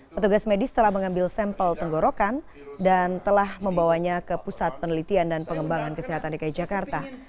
petugas medis telah mengambil sampel tenggorokan dan telah membawanya ke pusat penelitian dan pengembangan kesehatan dki jakarta